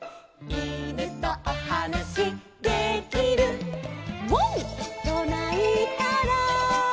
「いぬとおはなしできる」「ワンとないたら」